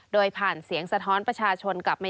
โดยผ่านเสียงสะท้อนประชาชนกลับมา